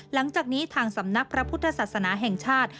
หลังจากนี้ทางสำนักพระพุทธศาสนาแห่งชาติ